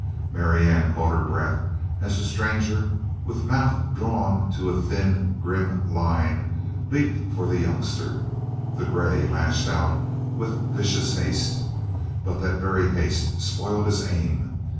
Marianne caught her breath as the stranger, with mouth drawn to a thin, grim line, leaped for the youngster. The grey lashed out with vicious haste, but that very haste spoiled his aim.